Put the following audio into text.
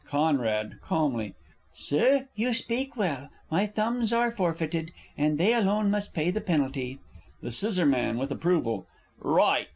Con. (calmly). Sir, you speak well. My thumbs are forfeited, And they alone must pay the penalty. The S. (with approval). Right!